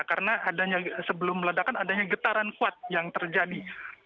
karena sebelum ledakan adanya getaran kuat yang terjadi